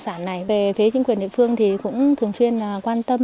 xã này về phía chính quyền địa phương thì cũng thường xuyên quan tâm